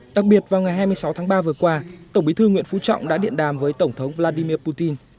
đặc biệt vào ngày hai mươi sáu tháng ba vừa qua tổng bí thư nguyễn phú trọng đã điện đàm với tổng thống vladimir putin